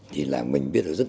thì là mình biết rất là nhiều